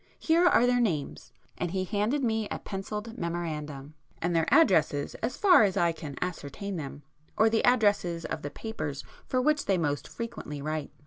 Here are their names"—and he handed me a pencilled memorandum,—"and their addresses, as far as I can ascertain them, or the addresses of the papers for which they most frequently write.